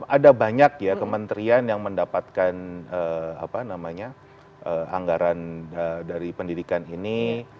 ada banyak ya kementerian yang mendapatkan anggaran dari pendidikan ini